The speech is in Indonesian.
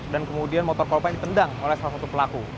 dan kemudian motor korban ditendang oleh salah satu pelaku